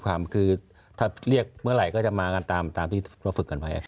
คือถ้าเรียกเมื่อไหร่ก็จะมากันตามที่เราฝึกกันไป